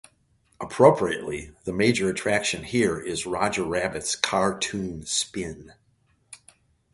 Appropriately, the major attraction here is Roger Rabbit's Car Toon Spin.